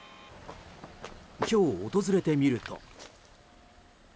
今日、訪れてみると。